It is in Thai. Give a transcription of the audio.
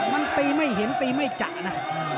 มันตีไม่เห็นตีไม่จัดนะ